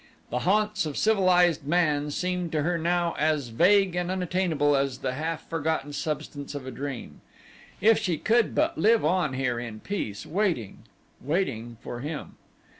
The haunts of civilized man seemed to her now as vague and unattainable as the half forgotten substance of a dream. If she could but live on here in peace, waiting, waiting for HIM.